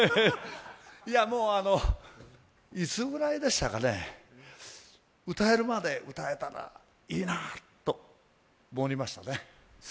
いや、いつぐらいでしたかね、歌えるまで歌えたらいいなと思いましたね。